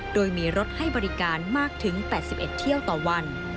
โดยมีรถให้บริการมากถึง๘๑เที่ยวต่อวัน